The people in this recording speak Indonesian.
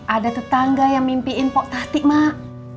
ada tetangga yang mimpiin pok tatik mak